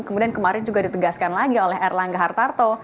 kemudian kemarin juga ditegaskan lagi oleh erlangga hartarto